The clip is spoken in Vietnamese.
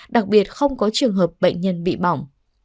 đặc biệt không có trường hợp bệnh nhân bị bỏng